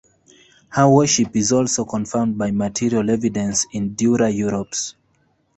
Her worship is also confirmed by material evidences in Dura-Europos.